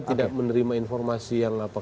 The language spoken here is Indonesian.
tidak menerima informasi yang apa